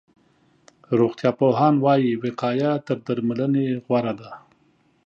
روغتيا پوهان وایي، وقایه تر درملنې غوره ده.